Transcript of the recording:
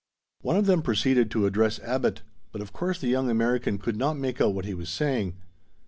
One of them proceeded to address Abbot, but of course the young American could not make out what he was saying.